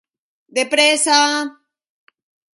De prèssa!